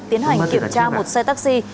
tiến hành kiểm tra một xe taxi